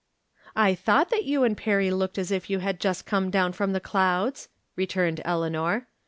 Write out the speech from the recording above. I thought that you and Perry looked as if you had just come down from the clouds," re turned Eleanor.